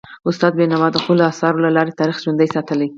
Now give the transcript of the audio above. استاد بینوا د خپلو اثارو له لارې تاریخ ژوندی ساتلی.